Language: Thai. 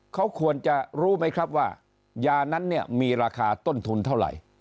เขาควรจะรู้ไหมครับว่ายานั้นเนี่ยมีราคาต้นทุนเท่าไหร่